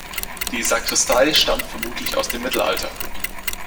Die Sakristei stammt vermutlich aus dem Mittelalter.